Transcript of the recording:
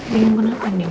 bingung kenapa nin